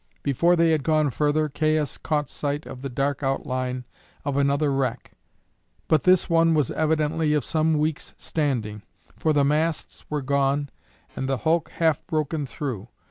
Before they had gone further Caius caught sight of the dark outline of another wreck; but this one was evidently of some weeks' standing, for the masts were gone and the hulk half broken through.